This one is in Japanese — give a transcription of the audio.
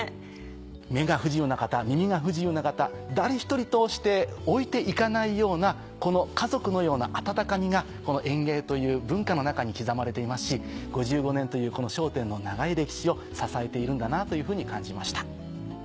目が不自由な方耳が不自由な方誰ひとりとして置いて行かないようなこの家族のような温かみがこの演芸という文化の中に刻まれていますし５５年というこの『笑点』の長い歴史を支えているんだなというふうに感じました。